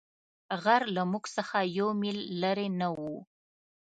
غر له موږ څخه یو مېل لیرې نه وو.